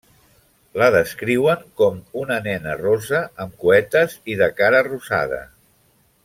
La descriuen com una nena rossa amb cuetes i de cara rosada.